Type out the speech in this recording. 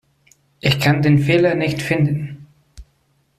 Ich kann den Fehler nicht finden.